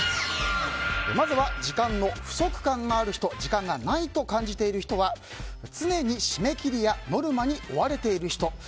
まずは時間の不足感がある人時間がないと感じている人は常に締め切りやノルマに追われている人。